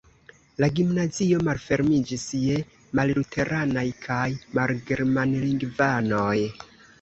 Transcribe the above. La gimnazio malfermiĝis je malluteranaj kaj malgermanlingvanoj.